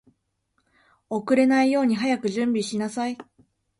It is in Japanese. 遅れないように早く準備しなさい